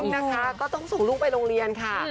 นะคะก็ต้องส่งลูกไปโรงเรียนค่ะ